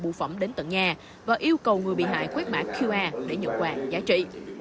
bụ phẩm đến tận nhà và yêu cầu người bị hại quét mã qr để nhận quà giá trị